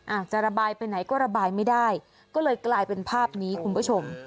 อาจจะระบายไปไหนก็ระบายไม่ได้ก็เลยกลายเป็นภาพนี้คุณผู้ชม